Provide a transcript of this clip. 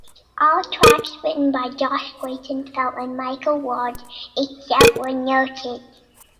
All tracks written by Josh Clayton-Felt and Michael Ward, except where noted.